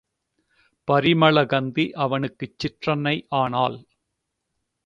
பரிமள கந்தி அவனுக்குச் சிற்றன்னை ஆனாள்.